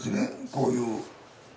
こういう。